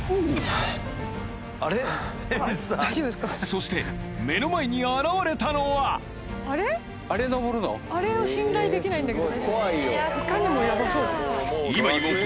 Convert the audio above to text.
そして目の前に現れたのはあれを信頼できないんだけど。